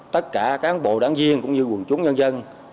tất cả cán bộ đảng viên cũng như quần chúng nhân dân